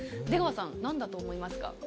出川さん何だと思いますか？